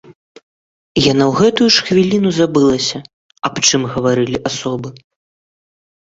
Яна ў гэтую ж хвіліну забылася, аб чым гаварылі асобы.